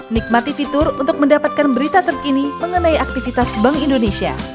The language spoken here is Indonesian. nikmati fitur untuk mendapatkan berita terkini mengenai aktivitas bank indonesia